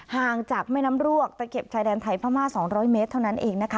ห่างจากไม่น้ำรวกแต่เก็บชายแดนไทยผ้าบรรภา